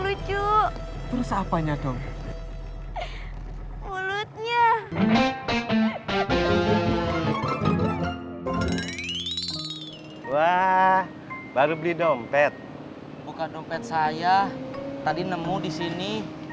lucu terus apanya dong mulutnya wah baru beli dompet buka dompet saya tadi nemu di sini